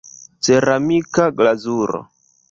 Ceramika glazuro.